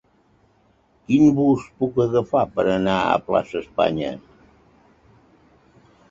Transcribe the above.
Quin bus puc agafar per anar a Plaça Espanya?